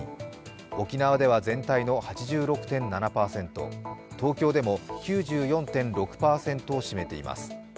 沖縄では全体の８６．７％、東京でも９４．６％を占めています。